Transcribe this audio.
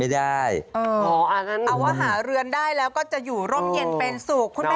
เอาว่าหาเรือนได้แล้วก็จะอยู่ร่มเย็นเป็นสุขคุณแม่